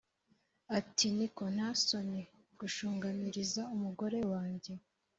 ati” niko ntasoni gushungamiriza umugore wanjye